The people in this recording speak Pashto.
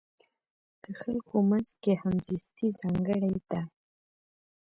د خلکو منځ کې همزیستي ځانګړې ده.